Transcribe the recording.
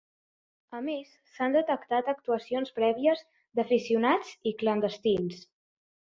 A més, s'han detectat actuacions prèvies d'aficionats i clandestins.